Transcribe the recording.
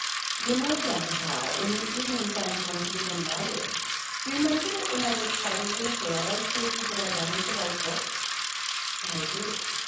"You know. Grandpapa, in the evenings I am going to begin writing. Do you remember that when I was quite a little girl I t#ld you that I wanted to write books?" "I do.